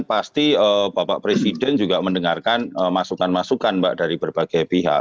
pasti bapak presiden juga mendengarkan masukan masukan mbak dari berbagai pihak